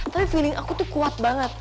tapi feeling aku tuh kuat banget